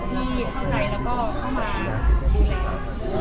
ที่เข้าใจแล้วก็เข้ามาดูแล